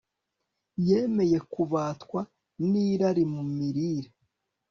yemeye kubatwa nirari mu mirire